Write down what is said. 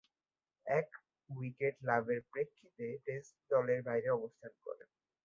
এক উইকেট লাভের প্রেক্ষিতে টেস্ট দলের বাইরে অবস্থান করেন।